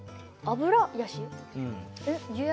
油やし！